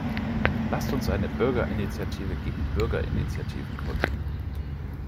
Lasst uns eine Bürgerinitiative gegen Bürgerinitiativen gründen!